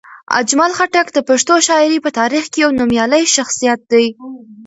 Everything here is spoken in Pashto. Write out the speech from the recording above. اجمل خټک د پښتو شاعرۍ په تاریخ کې یو نومیالی شخصیت دی.